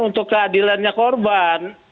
untuk keadilannya korban